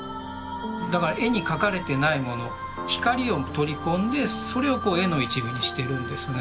だから絵に描かれてないもの光を取り込んでそれをこう絵の一部にしてるんですね。